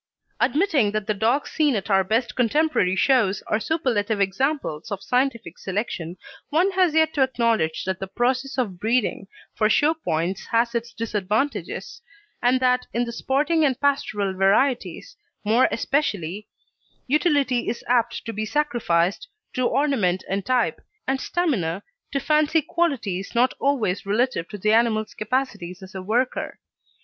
Admitting that the dogs seen at our best contemporary shows are superlative examples of scientific selection, one has yet to acknowledge that the process of breeding for show points has its disadvantages, and that, in the sporting and pastoral varieties more especially, utility is apt to be sacrificed to ornament and type, and stamina to fancy qualities not always relative to the animal's capacities as a worker.